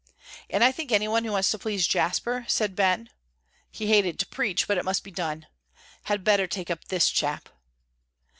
"And I think any one who wants to please Jasper," said Ben, he hated to preach, but it must be done, "had better take up this chap."